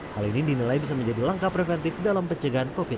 hal ini dinilai bisa menjadi langkah preventif dalam pencegahan covid sembilan belas